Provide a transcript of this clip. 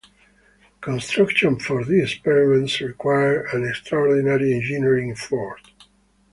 Construction for these experiments required an extraordinary engineering effort.